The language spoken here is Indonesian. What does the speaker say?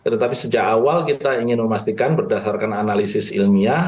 tetapi sejak awal kita ingin memastikan berdasarkan analisis ilmiah